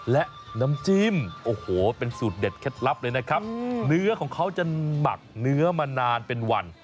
และน้ำจิ้มโอ้โหเป็นสูตรเด็ดเคล็ดลับเลยนะครับเนื้อของเขาจะหมักเนื้อมานานเป็นวัน